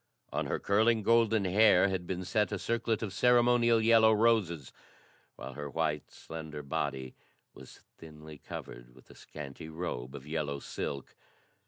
On her curling golden hair had been set a circlet of ceremonial yellow roses, while her white, slender body was thinly covered with a scanty robe of yellow silk.